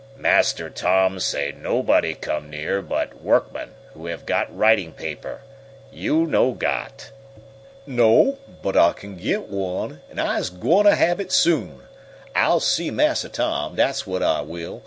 "Master Tom say let nobody come near but workmen who have got writing paper. You no got!" "No, but I kin git one, an' I's gwine t' hab it soon! I'll see Massa Tom, dat's whut I will.